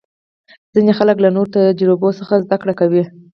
ځینې خلک له نورو تجربو څخه زده کړه کوي.